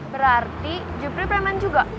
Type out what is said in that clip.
berarti jupri preman juga